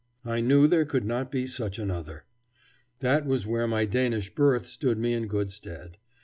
I knew there could not be such another. That was where my Danish birth stood me in good stead.